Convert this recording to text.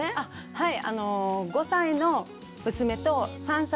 はい。